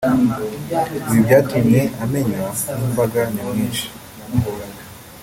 Ibi byatumye amenywa n’imbaga nyamwinshi